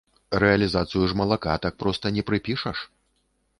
Рэалізацыю ж малака так проста не прыпішаш.